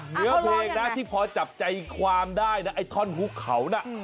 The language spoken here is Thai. เนื้อเพลงนะที่พอจับใจความได้นะไอ้ท่อนฮุกเขาน่ะ